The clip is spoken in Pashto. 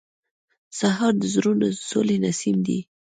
سهار د زړونو د سولې نسیم دی.